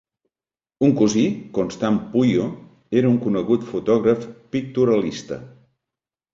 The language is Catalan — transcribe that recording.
Un cosí, Constant Puyo, era un conegut fotògraf pictorialista.